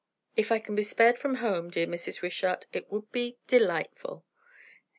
"If I can be spared from home, dear Mrs. Wishart, it would be delightful!"